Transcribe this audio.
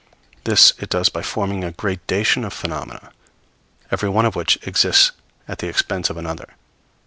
This it does by forming a gradation of phenomena, every one of which exists at the expense of another.